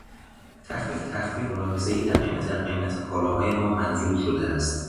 تخفیف قابل ملاحظهای در قیمت کالاهای ما منظور شده است.